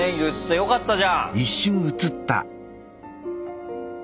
よかったじゃん！